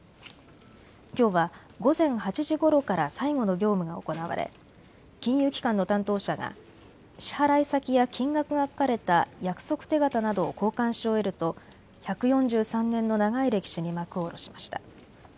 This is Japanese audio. きょうは午前８時ごろから最後の業務が行われ金融機関の担当者が支払い先や金額が書かれた約束手形などを交換し終えると１４３年の長い歴史に幕を下ろしました。